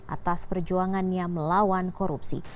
atas perjuangannya melawan korupsi